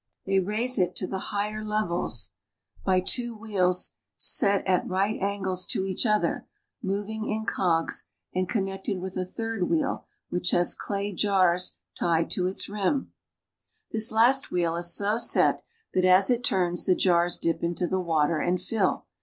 They raise it to the higher levels I THROUGH INTKRTOR MOROCCO 25 I wh M two wheels set at right angles to each other, moving cogs and connected with a third wheel, which has clay '^axs tied to its rim. This last wheel is so set that, as it turns, the jars dip into the water and fill.